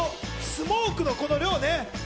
スモークの量ね。